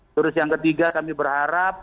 terus yang ketiga kami berharap